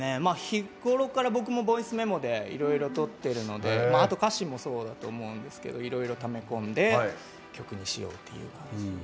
日頃から僕もボイスメモでいろいろとってるのであと歌詞もそうだと思うんですけどいろいろため込んで曲にしようっていう感じですね。